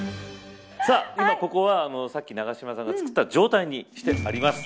今ここはさっき永島さんが作った状態にしてあります。